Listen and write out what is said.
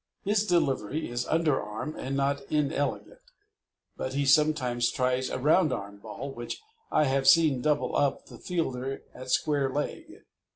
His delivery is underarm and not inelegant, but he sometimes tries a round arm ball, which I have seen double up the fielder at square leg.